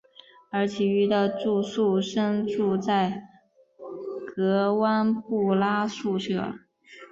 而其余的住宿生住在格湾布拉宿舍。